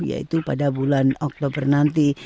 yaitu pada bulan oktober nanti